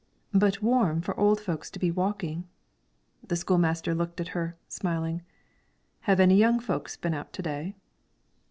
"But warm for old folks to be walking." The school master looked at her, smiling, "Have any young folks been out to day?"